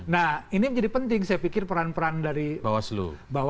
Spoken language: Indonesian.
nah ini menjadi penting saya pikir peran peran dari bawaslu